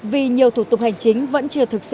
vì nhiều thủ tục hành chính vẫn chưa được thực hiện